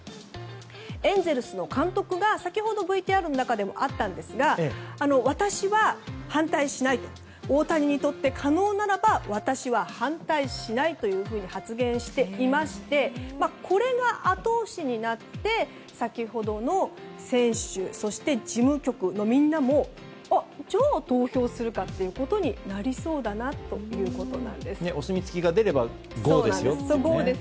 エンゼルスの監督が先ほどＶＴＲの中でもあったんですが大谷にとって可能ならば私は反対しないというふうに発言していましてこれが後押しになって先ほどの選手そして事務局のみんなもじゃあ投票するかということになりそうだなということなんです。